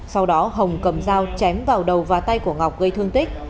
sau đó hồng cầm dao chém vào đầu và tay của ngọc gây thương tích